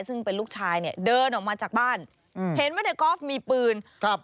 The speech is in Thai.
ซึ่งเป็นลูกชายเดินออกมาจากบ้านเห็นว่าในกอฟมีปืน